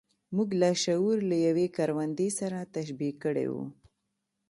موږ لاشعور له يوې کروندې سره تشبيه کړی و.